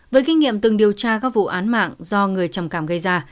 với kinh nghiệm từng điều tra các vụ án mạng do người trầm cảm gây ra